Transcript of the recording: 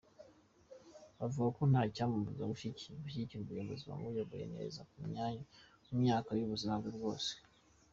Avuga ko nta cyamubuza gushyigikira umuyobozi wamuyoboye neza mu myaka y’ubuzima bwe bwose.